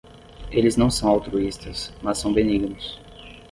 Eles não são altruístas, mas são benignos.